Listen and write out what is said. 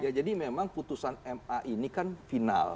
ya jadi memang putusan ma ini kan final